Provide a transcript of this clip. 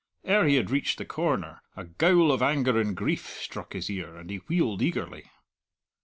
Ere he had reached the corner, a gowl of anger and grief struck his ear, and he wheeled eagerly.